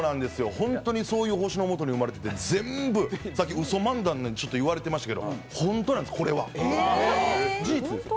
ホントにそういう星の下に生まれてて全部、さっきウソ漫談って言われてましたけど本当なんです、これは。事実ですよ。